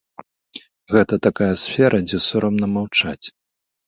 Гэта такая сфера, дзе сорамна маўчаць.